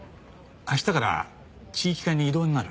明日から地域課に異動になる。